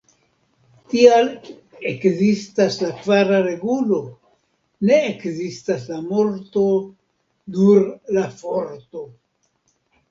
Tial ekzistas la kvara regulo: "Ne ekzistas la morto, nur la Forto".